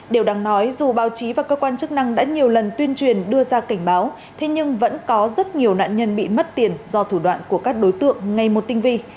điều đáng nói dù báo chí và cơ quan chức năng đã nhiều lần tuyên truyền đưa ra cảnh báo thế nhưng vẫn có rất nhiều nạn nhân bị mất tiền do thủ đoạn của các đối tượng ngay một tinh vi